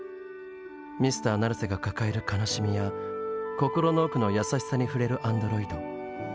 Ｍｒ．ナルセが抱える悲しみや心の奥の優しさに触れるアンドロイド。